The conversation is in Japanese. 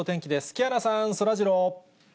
木原さん、そらジロー。